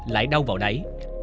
lại đâu vào đấy